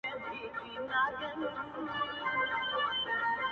چي پر خوله به یې راتله هغه کېدله٫